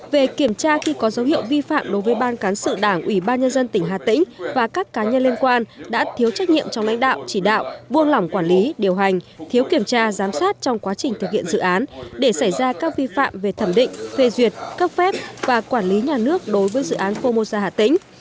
một về kiểm tra khi có dấu hiệu vi phạm đối với ban cán sự đảng ủy ban nhân dân tỉnh hà tĩnh và các cá nhân liên quan đã thiếu trách nhiệm trong lãnh đạo chỉ đạo buông lỏng quản lý điều hành thiếu kiểm tra giám sát trong quá trình thực hiện dự án để xảy ra các vi phạm về thẩm định phê duyệt cấp phép và quản lý nhà nước đối với dự án comosa hà tĩnh